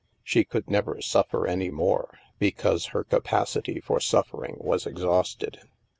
She could never suffer any more, because her capacity for suffering was exhausted.